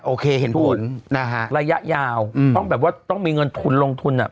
โอเคเห็นผลนะฮะระยะยาวต้องแบบว่าต้องมีเงินทุนลงทุนอ่ะ